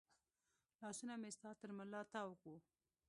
لاسونه مې ستا تر ملا تاو و